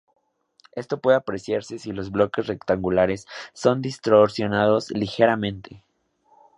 Esto puede apreciarse si los bloques rectangulares son distorsionados ligeramente.